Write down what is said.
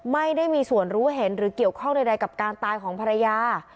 ไม่ได้มีส่วนรู้เห็นหรือเกี่ยวข้องใดกับการตายของภรรยา